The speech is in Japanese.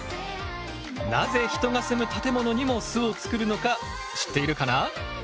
なぜ人が住む建物にも巣を作るのか知っているかな？